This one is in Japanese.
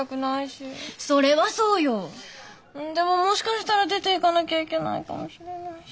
でももしかしたら出ていかなきゃいけないかもしれないし。